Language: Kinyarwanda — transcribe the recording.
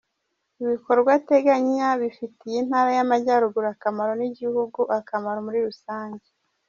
Ibikorwa ateganya bifitiye Intara y’Amajyaruguru akamaro n’igihugu akamaro muri rusange.